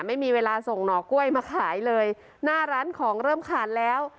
ไม่มีเวลาส่งหน่อกล้วยมาขายเลยหน้าร้านของเริ่มขาดแล้ว